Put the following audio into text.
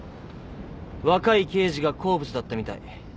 若い刑事が好物だったみたい。